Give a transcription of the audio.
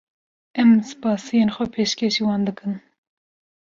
Em spasiyên xwe pêşkeşî wan dikin.